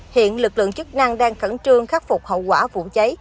hiện lực lượng chức năng đang khẩn trương khắc phục hậu quả vụ cháy